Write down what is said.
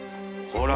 ほら。